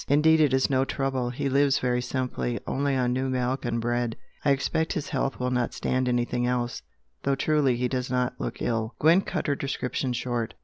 Indeed it is no trouble! He lives very simply only on new milk and bread. I expect his health will not stand anything else though truly he does not look ill " Gwent cut her description short.